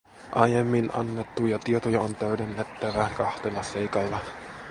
Aiemmin annettuja tietoja on täydennettävä kahdella seikalla.